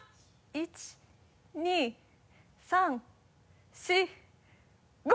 １２３４５！